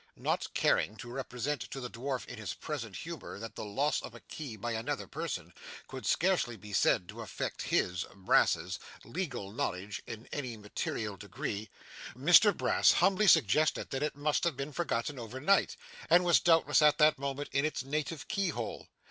Not caring to represent to the dwarf in his present humour, that the loss of a key by another person could scarcely be said to affect his (Brass's) legal knowledge in any material degree, Mr Brass humbly suggested that it must have been forgotten over night, and was, doubtless, at that moment in its native key hole.